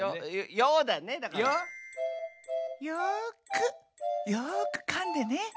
「よくよくかんでね。